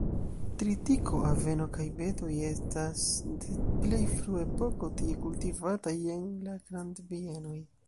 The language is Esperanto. Tritiko, aveno kaj betoj estas de plej frua epoko tie kultivataj en la grandbienoj.